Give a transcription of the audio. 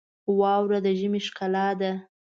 واوره د ژمي ښکلا ده.